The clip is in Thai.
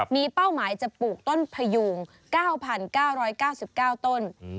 มีเป้าหมายจะปลูกต้นพยูง๙๙๙๙ต้น